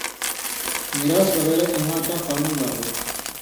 مِراث وغېرہ اِواں تاں قانُون لا ہو تُھو،